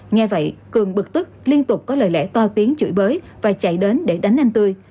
nghe vậy cường bực tức liên tục có lời lẽ to tiếng chửi bới và chạy đến để đánh anh tươi